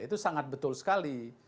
itu sangat betul sekali